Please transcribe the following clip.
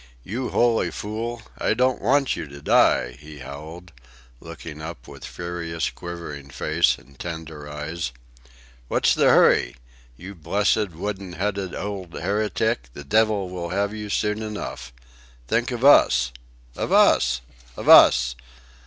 "You holy fool! I don't want you to die," he howled, looking up with furious, quivering face and tender eyes. "What's the hurry? You blessed wooden headed ould heretic, the divvle will have you soon enough. Think of Us... of Us... of Us!"